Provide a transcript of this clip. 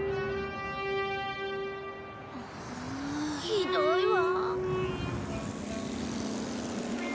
ひどいわ。